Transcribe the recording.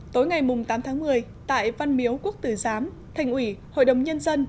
tối ngày tám tháng một mươi tại văn miếu quốc tử giám thành ủy hội đồng nhân dân